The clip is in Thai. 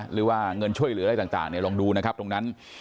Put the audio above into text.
หรือว่าเงินช่วยเหลืออะไรต่างลองดูนะครับตรงนั้น